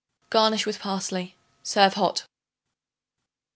Garnish with parsley. Serve hot.